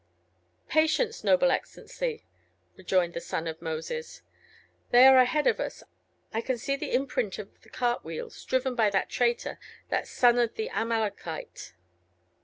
"Patience, noble Excellency," rejoined the son of Moses, "they are ahead of us. I can see the imprint of the cart wheels, driven by that traitor, that son of the Amalekite."